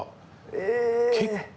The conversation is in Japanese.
結構。